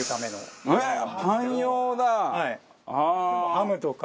ハムとか。